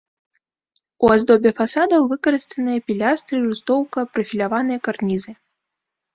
У аздобе фасадаў выкарыстаныя пілястры, рустоўка, прафіляваныя карнізы.